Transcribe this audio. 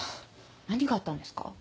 何があったんですか？